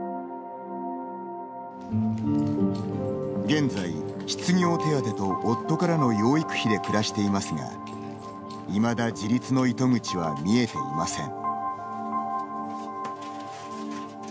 現在、失業手当と夫からの養育費で暮らしていますがいまだ自立の糸口は見えていません。